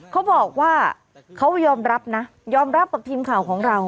เขาบอกว่าเขายอมรับนะยอมรับกับทีมข่าวของเรา